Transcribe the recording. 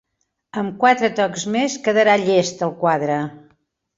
Amb quatre tocs més quedarà llest el quadre.